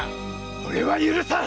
俺は許さん！